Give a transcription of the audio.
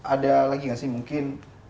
ada lagi nggak sih mungkin